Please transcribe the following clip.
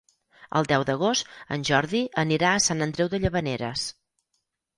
El deu d'agost en Jordi anirà a Sant Andreu de Llavaneres.